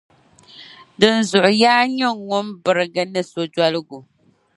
Dinzuɣu yaa nyini ŋun birigi ni sodoligu.